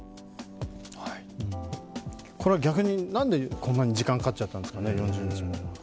これは逆に、何でこんなに時間がかかっちゃったんですかね、４０日も。